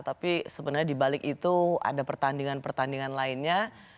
tapi sebenarnya dibalik itu ada pertandingan pertandingan lainnya